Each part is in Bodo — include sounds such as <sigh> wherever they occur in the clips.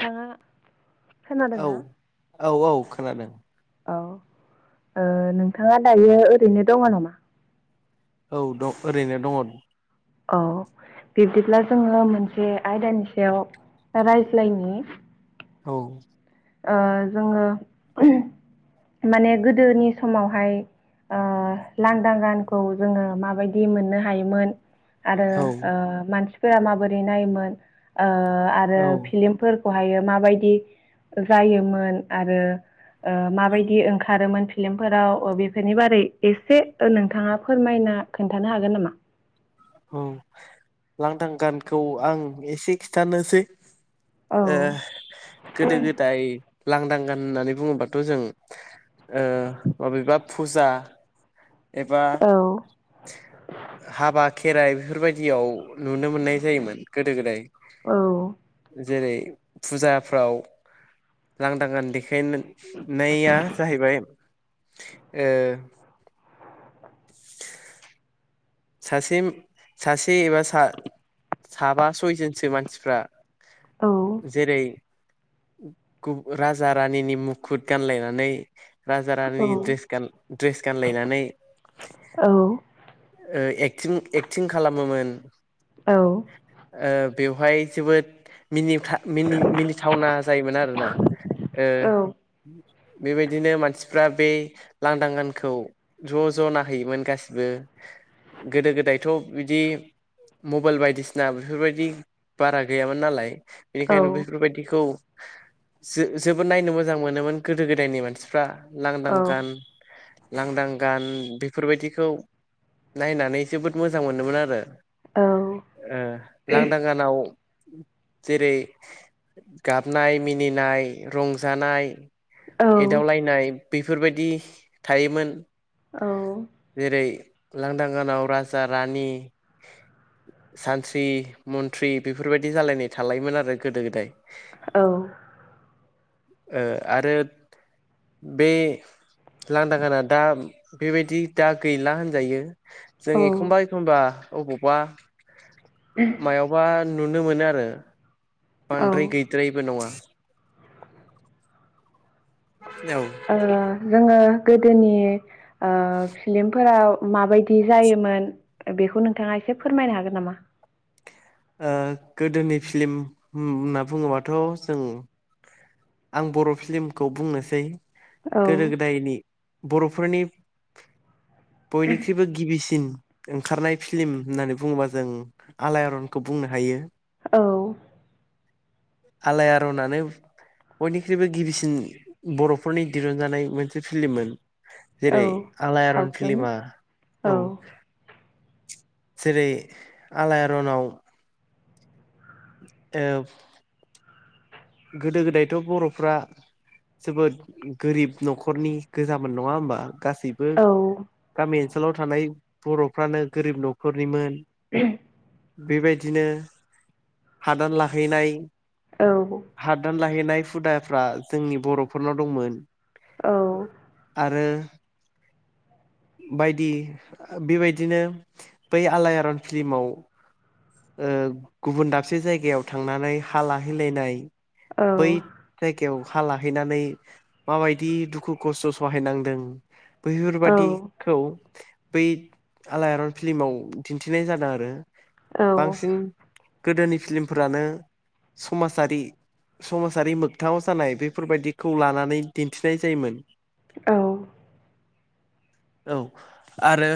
थाङा औ औ औ खोनादों। औ ओ नोंथाङा दायो ओरैनो दङ' नामा औ दं ओरैनो दङ औ बिब्दिब्ला जोङो मोनसे आयदानि सायाव रायज्लायनि औ ओ जोङो माने गोदोनि समावहाय ओ लांदां गानखौ जोङो माबायदि मोननो हायोमोन आरो औ ओ मानसिफोरा माबोरै नायोमोन ओ औ आरो फिलिमफोर खौहायो माबायदि जायोमोन आरो ओ माबायदि ओंखारोमोन फिल्मफोराव ओ बेफोरनि बारै एसे ओ नोंथाङा फोरमाय खोन्थानो हागोन नामा? औ लांदां गानखौ आं एसे खिथानोसै औ ओ गोदो गोदाय लांदांगान होननानै बुङोबाथ' जों ओ मबेबा फुजा एबा औ हाबा खेराइ बेफोर बायदियाव नुनो मोननाय जायोमोन गोदो गोदाय औ जेरै फुजाफ्राव लांदांगान देखायनो नाया जाहैबाय ओ <inaudible> सासे सासे एबा सा साबा सयजोनसो मानसिफ्रा औ जेरै- गुब राजा रानिनि मुखुद गानलायनानै राजा औ रानिरनि ड्रेस गानलायनानै औ ओ एक्टिं एक्टिं खालामोमोन। औ ओ बेवहाय जोबोद मिनिथा-मिनि-मिनिथावना जायोमोन आरोना ओ बेबायदिनो मानसिफ्रा बे लांदां गानखौ ज' ज' नाहैयोमोन गासिबो गोदो गोदायथ' बिदि मबाइल बायदिसिना बेफोर बायदि बारा गैयामोन नालाय बेखायनो बेफोर औ बायदिखौ जो-जोबोद नायनो मोजां मोनोमोन गोदो गोदायनि मानसिफ्रा। लांदां गान लांदां गान बेफोर बायदिखौ नायनानै जोबोद मोजां मोनोमोन आरो ओ लांदां गानाव जेरै गाबनाय मिनिनाय रंजानाय औ एदावलायनाय बेफोर बायदि थायोमोन। औ जेरै लांदां गानाव राजा रानि सानथ्रि मन्थ्रि बेफोर बायदि जालायनाय थालायोमोन आरो गोदो गोदाय औ ओ आरो बे लांदागाना दा बेबायदि दा गैला होनजायो। जों औ एखमबा एखमबा अबावबा मायावबा नुनो मोनो आरो ओ बांद्राय गैद्रायिबो नङा ओ जोङो गोदोनि ओ फिल्मफोराव माबायदि जायोमोन बेखौ नोंथाङा एसे फोरमायनो हागोन नामा? ओ गोदोनि फिल्म होनना बुङोबाथ' जों आं बर' फिल्मखौ बुंनोसै औ गोदो गोदायनि बर'फोरनि बयनिख्रुइबो गिबिसिन ओंखारनाय फिल्म होननानै बुङोबा जों आलायारन खौ बुंनो हायो। औ आलायआरनानो बयनिख्रुइबो गिबिसिन बर'फोरनि दिरुनजानाय मोनसे फिल्ममोन। औ जेरै आलायारन सावथुन फिलमा औ जेरै आलायारनाव औ गोदो गोदायथ' बर'फ्रा जोबोद गोरिब न'खरनि गोजामोन नङा होमबा गासैबो औ गामि ओनसोलाव थानाय बर'फ्रानो गोरिब न'खरनिमोन। <unintelligible> बेबायदिनो हादान लाहैनाय औ हादान लाहैनाय हुदाफ्रा जोंनि बर'फोरनाव दंमोन। औ आरो बायदि बेबायदिनो बै आलायारन फिल्माव ऐ गुबुन दाबसे जायगायाव थांनानै हा लाहैलायनाय औ बै जायगायाव हा लाहैनानै माबायदि दुखु खसथ' सहायनांदों औ बैफोरबायादि बै आलायारन फिल्माव दिनथिनाय जादों आरो। औ औ बांसिन गोदोनि फिल्मफोरानो समाजारि समाजारि मोगथाङाव जानाय बेफोर बायदिखौ लानानै दिनथिनाय जायोमोन। औ औ आरो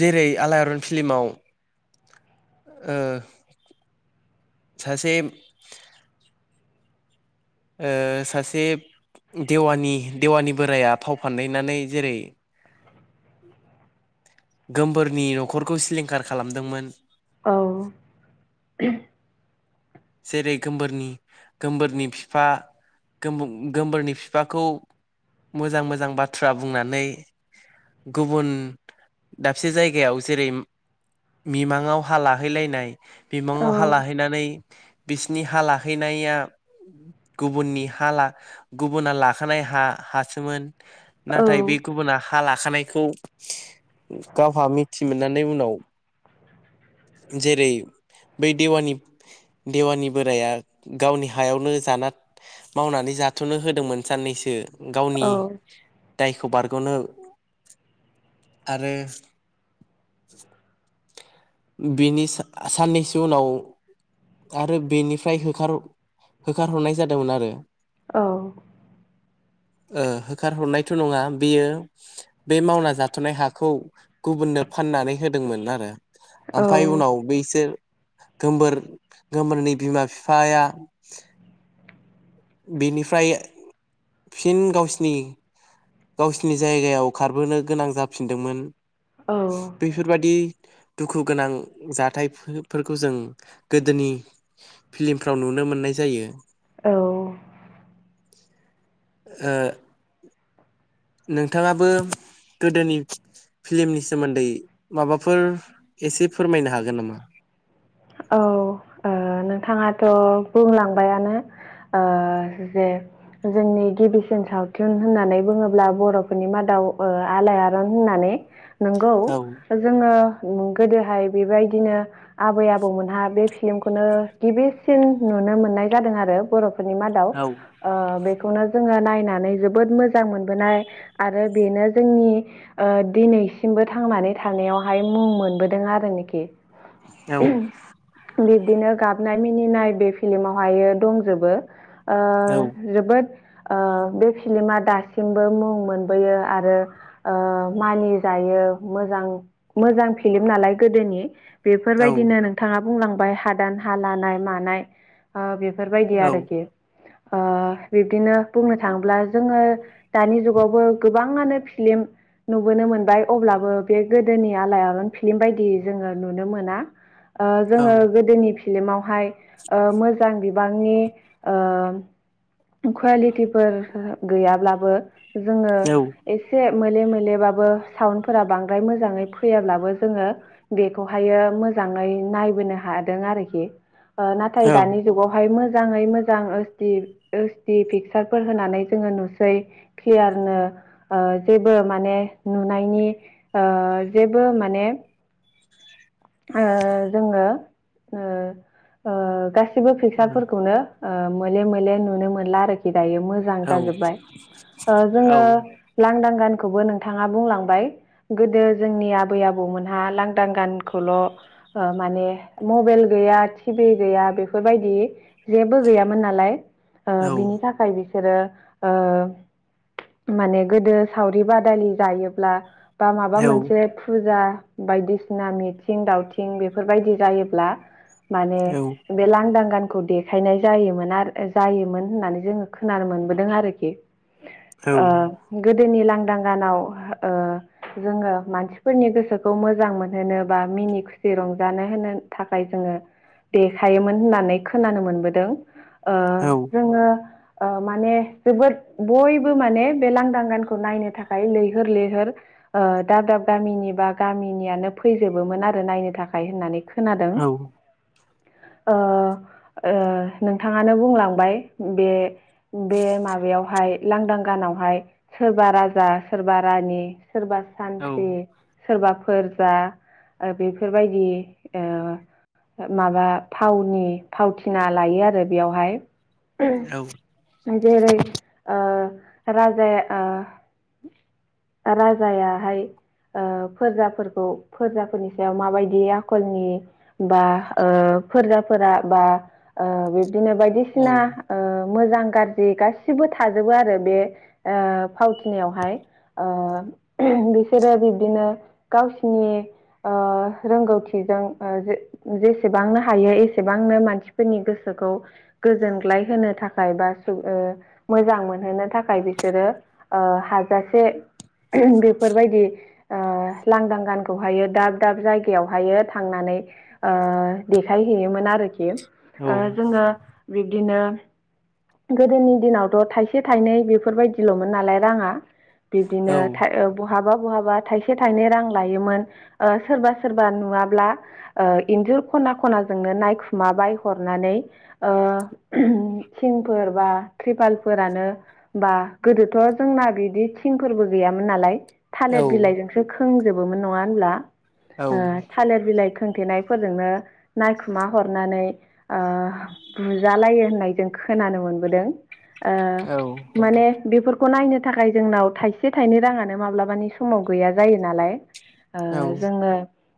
जेरै आलायारन फिल्माव ओ सासे ओ सासे देवानि देवानि बोराया फाव फानदायनानै जेरै गोमबोरनि न'खरखौ सिलिंखार खालामदोंमोन औ जेरै गोबोरनि गोमबोरनि बिफा गो गोमबोरनि बिफाखौ मोजां मोजां बाथ्रा बुंनानै गुबुन दाबसे जायगायाव जेरै मिमाङाव हा लाहैलायनाय मिमाङाव हा औ लाहैनानै बिसिनि हा लाहैनाया गुबुननि हा ला गुबुना लाखानाय हा हासोमोन। नाथाय बे गुबुना हा ला खानायखौ गावहा मिथि मोननानै उनाव जेरै बै देवानि देवानि बोराया गावनि हायावनो जाना मावनानै जाथ'नो होदोंमोन साननैसो गावनि दायखौ बारग'नो आरो बिनि साननैसो उनाव आरो बेनिफ्राय होखार होखारहरनाय जादोंमोन आरो। औ ओ होखारहरनायथ' नङा बेयो बे मावना जाथ'नाय हाखौ गुबुननो फाननानै होदोंमोन आरो ओमफ्राय उनाव बैसोर गोबोर गोमबोरनि बिमा बिफाया बिनिफ्राय फिन गावसिनि गावसिनि जायगायाव खारबोनो गोनां जाफिनदोंमोन। औ बेफोरबादि दुखु गोनां जाथायफोरखौ जों गोदोनि फिल्मफ्राव नुनो मोननाय जायो। औ ओ नोंथांङाबो गोदोनि फिल्मनि सोमोन्दै माबाफोर एसे फोरमायनो हागोन नामा? औ नोंथांङाथ' बुंलांबायानो जे जोंनि गिबिसिन सावथुन होननानै बुङोब्ला बर'फोरनि मादाव औ आलायरन होननानै नोंगौ औ जोंङो गोदोहाय बेबायदिनो आबै आबौ हा बे फिलमखौनो गिबिसिन नुनो मोननाय जादों आरो बर' नि मादाव औ बेनो ज नायनानै जोबोद मोजां मोनोनाय आरो बेनो जोंनि दिनैसिम बो थांनानै थानायावहाय मुं मोनबोदों आरोनाखि औ बिबदिनो गाबनाय मिनिनाय बे फिलमावहायो दंजोबो ओ औ जोबोद बे फिलिमा दासिमबो मुं मोनबोयो आरो मानि जायो। मोजां मोजां फिलम नालाय गोदोनि औ बेफोरबायदिनो नोंथांङा बुंलांबाय हादान हा लानाय मानाय ओ औ औ बेफोरबायदि आरोखि ओ बिब्दिनो बुंनो थांङोब्ला जोंङो दानि जुगावबो गोबाङानो फिलिम नुबोनो मोनबाय अब्लाबो बे गोदोनि आलायारन फिल्म बायदि जोंङो नुनो मोना। जोंङो गोदोनि फिल्मावहाय मोजां बिबांनि ओ कुवालिटिफोर गैयाब्लाबो जोंङो एसे मोले मोलेबाबो साउडफोरा बांद्राय मोजाङै फैयाब्लाबो जोंङो बेखौहायो मोजांङै नायबोनो हादों आरोखि नाथाय औ दानि जुगावहाय मोजाङै मोजां स्टि ओइस डि पिकसारफोर होनानै जोङो नुसै क्लियारनो जेबो माने नुनायनि जेबो माने जोंङो गासिबो फिकसारफोरखौनो ओ मोले मोले नुनो मोनला आरो दायो मोजां जाजोब्बाय जोङो लांदां गान नोंथांङा बुंलांबाय गोदो जोंनि आबै आबौमोनहा लांदां गान खौल' माने मबाइल गैया टिभि गैया बेफोरबायदि जेबो गैयामोन नालाय बिनि थाखाय बिराद बिसोरो माने गोदो सावरि बादालि जायोब्ला बा माबा मोनसे फुजा बायदिसिना मित दावउथिं बेफोरबायदि जायोब्ला मान बे लांदां गान देखायनाय जायोमोन आरो जायोमोन होननानै जोंङो खोनानो मोनबोदों आरोखि ओ गोदोनि लांदां गानाव ओ जोंङो मानसिफोरनि गोसोखौ मोजां मोनहोनो बा मिनि खुसि रंजानो होनो थाखाय जोंङो देखायोमोन होननानै खोनानो मोनबोदों ओ जोंङो। ओ माने जोबोद बयबो माने बे लांदां गानखौ नायनो थाखाय लैहोर लैहोर ओ दाब दाब गामिनि बा गामिनियानो फैजोबोमोन आरो नायनो थाखाय होननानै खोनादों। ओ नोंथांङानो बुंलांबाय बे बे माबायावहाय लांदां गाना सोरबा राजा सोरबा रानि सोरबा सानथ्रि सोरबा फोरजा ओ बेफोरबायदि ओ माबा फावनि फावथिना लायो आरो बेयावहाय जेरै ओ राजाया ओ राजायाहाय ओ फोरजाफोरखौ फोरजाफोरनि सायाव माबायदि आखलनि बा ओ फोरजाफोरा बा ओ बिब्दिनो बायदिसिना ओ मोजां गाज्रि गासिबो थाजोबो आरो बे ओ फावथिनायावहाय ओ बिसोरो बिब्दिनो गावसिनि ओ रोंगौथिजों जेसेबांनो हायो एसेबांनो मानसिफोरनि गोसोखौ गोजोनग्लाय होनो थाखाय बा ओ मोजां मोन होनो थाखाय बिसोरो ओ हाजासे बेफोरबायदि ओ ओ लांदां गान खौहायो दाब दाब जायगायावहायो थांनानै ओ देखायहैयोमोन आरोखि ओ औ जोङो बिदिनो गोदोनि दिनावथ' थाइसे थाइनै बेफोरबायदि ल'मोन नालाय राङा बिब्दिनो बहाबा बहाबा थाइसे थाइनै रां लायोमोन। ओ सोरबा सोरबा नुवाब्ला ओ इन्जुर खना खनाजोंनो नायखुमाबाय हरना नानै ओ थिंफोर बा त्रिपाल फोरानो बा गोदोथ' जोंना बिदि थिंफोरबो गैयामोन नालाय औ थालिर बिलाइजोंसो खोंजोबोमोन नङा होनब्ला थालिर बिलाइ होथेनाय फोरजोंनो नायखुमा हरनानै ओ बुजालायो होननाय जों खोना नानो मोनबोदों ओ माने बेफोर खौ नायनो थाखाय जोंनाव थाइसे थाइनै राङानो माब्लाबानि समाव गैया जायो नालाय ओ जोङो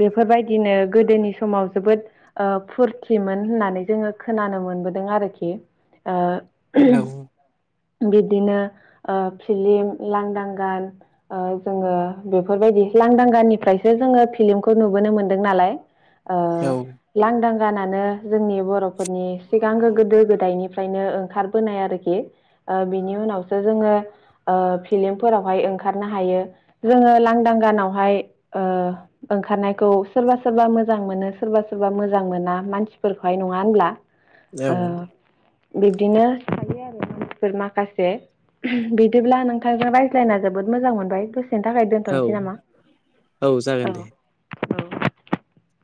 बेफोरबायदिनो गोदोनि समाव जोबोद ओ फुरथिमोन होननानै जोङो खोनानो मोनबोदों आरोखि ओ बिदिनो ओ फिलिम लांदां गान ओ जोङो बेफोरबायदि लांदां गानिफ्रायसो जोङो फिल्मखौ नुबोनो मोनदों नालाय ओ लांदां गानानो जोंनि बर'फोरनि सिगांगो गोदो गोदायनिफ्राय नो ओंखारबोनाय आरोखि ओ बिनि उनावसो जोङो फिलमफोरावहाय ओंखारनो हायो जोङो लांदां गानाव हाय ओ ओंखारनायखौ सोरबा सोरबा मोजां मोनो सोरबा सोरबा मोजां मोना मानसि मानसिफोरखौहाय नङा होनब्ला औ ओ बिब्दिनो थायो आरो माखासे बिदिब्ला नोंथांजों रायज्लायना जोबोद मोजां मोनबाय दसे नि थाखाय दोनथ'नोसै नामा? औ जागोन दे औ औ